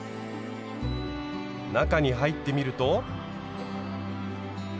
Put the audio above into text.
中に入ってみると。